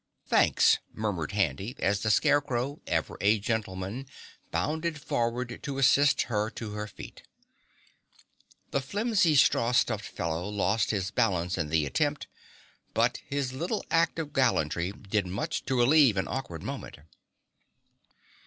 "Thanks!" murmured Handy, as the Scarecrow, ever a gentleman, bounded forward to assist her to her feet. The flimsy straw stuffed fellow lost his balance in the attempt, but his little act of gallantry did much to relieve an awkward moment.